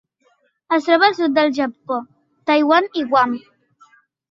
Es troba al sud del Japó, Taiwan i Guam.